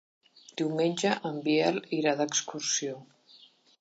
Diumenge en Biel irà d'excursió.